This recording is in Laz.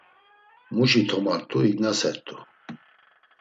Muşi tomart̆u ignasert̆u.